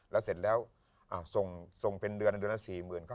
แล้วเสร็จแล้วก็ส่งเป็นเดือนละ๔๐๐๐๐